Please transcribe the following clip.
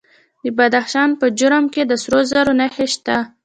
د بدخشان په جرم کې د سرو زرو نښې شته.